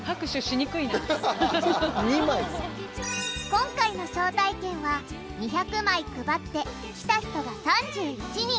今回の招待券は２００枚配って来た人が３１人。